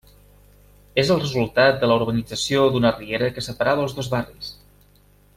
És el resultat de la urbanització d'una riera que separava els dos barris.